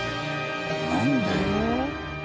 なんで？